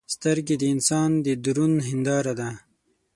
سترګې د انسان د درون هنداره ده